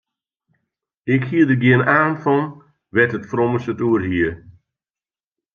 Ik hie der gjin aan fan wêr't it frommes it oer hie.